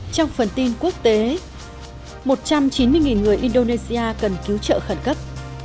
trong phần tin quốc tế một trăm chín mươi người indonesia cần cứu trợ khẩn cấp